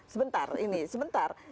sebentar ini sebentar